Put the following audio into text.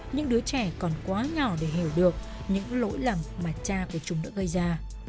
những đứa trẻ còn quá nhỏ để hiểu được những lỗi lầm mà cha của chúng đã gây ra